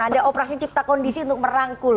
ada operasi cipta kondisi untuk merangkul